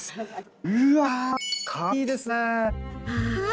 かわいいですね！